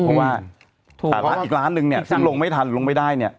เพราะว่าร้านอีกร้านนึงเนี่ยซึ่งลงไม่ทันหรือลงไม่ได้เนี่ย